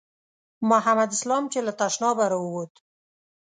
محمد اسلام چې له تشنابه راووت.